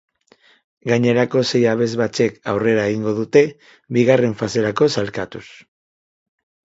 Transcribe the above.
Gainerako sei abesbatzek aurrera egingo dute, bigarren faserako sailkatuz.